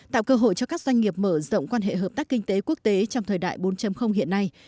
tạo cơ hội cho các doanh nghiệp mở rộng quan hệ hợp tác kinh tế quốc tế trong thời đại bốn hiện nay